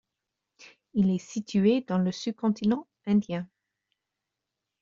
Il est situé dans le sous-continent indien.